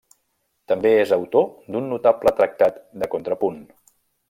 També és autor d'un notable tractat de contrapunt.